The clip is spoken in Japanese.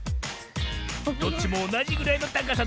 どっちもおなじぐらいのたかさだ。